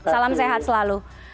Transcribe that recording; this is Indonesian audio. salam sehat selalu